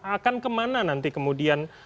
akan kemana nanti kemudian